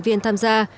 chuyên tham gia